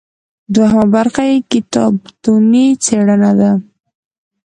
دوهمه برخه یې کتابتوني څیړنه ده.